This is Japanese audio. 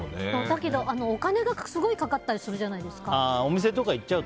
だけどお金がすごいかかったりするじゃないですか。